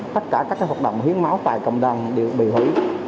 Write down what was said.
tất cả các hoạt động hiến máu tại cộng đồng đều bị hủy